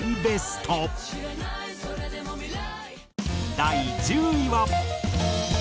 第１０位は。